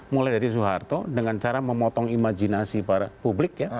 mulai dari soeharto dengan cara memotong imajinasi publik ya